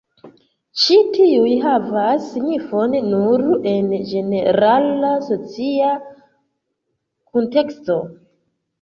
Ĉi tiuj havas signifon nur en ĝenerala socia kunteksto.